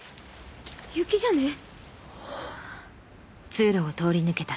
雪じゃねえ？